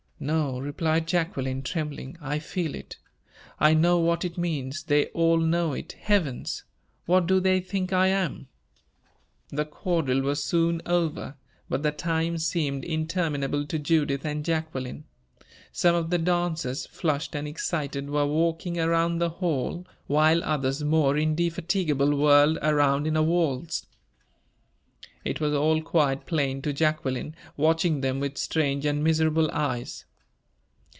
"No," replied Jacqueline, trembling, "I feel it. I know what it means. They all know it. Heavens! what do they think I am?" The quadrille was soon over, but the time seemed interminable to Judith and Jacqueline. Some of the dancers, flushed and excited, were walking around the hall, while others, more indefatigable, whirled around in a waltz. It was all quite plain to Jacqueline, watching them with strange and miserable eyes.